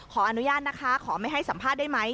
ขออนุญาตนะคะขอไม่ให้สัมภาษณ์ได้ไหม